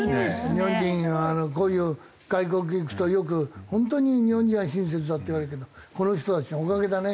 日本人はこういう外国行くとよく「本当に日本人は親切だ」って言われるけどこの人たちのおかげだね。